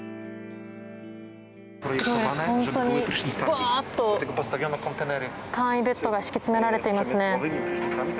バーッと簡易ベッドが敷き詰められていますね。